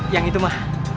yang itu ma